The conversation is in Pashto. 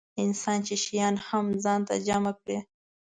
انسان چې شیان هم ځان ته جمع کړي.